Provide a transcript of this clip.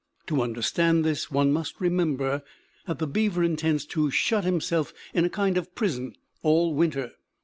To understand this, one must remember that the beaver intends to shut himself in a kind of prison all winter.